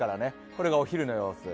これがお昼の様子。